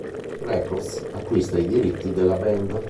Records acquista i diritti della band.